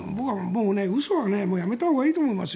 嘘はやめたほうがいいと思いますよ。